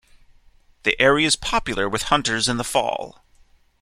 The area is popular with hunters in the fall.